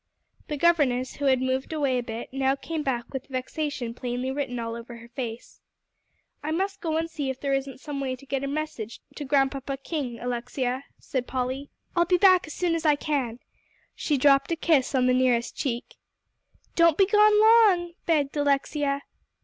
The governess, who had moved away a bit, now came back with vexation plainly written all over her face. "I must go and see if there isn't some way to get a message to Grandpapa King, Alexia," said Polly. "I'll be back as soon as I can." She dropped a kiss on the nearest cheek. "Don't be gone long," begged Alexia.